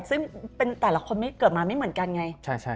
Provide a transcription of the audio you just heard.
ซึ่งเป็นแต่ละคนไม่เกิดมาไม่เหมือนกันไง